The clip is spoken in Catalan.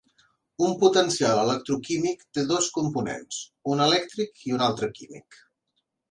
Un potencial electroquímic té dos components, un elèctric i un altre químic.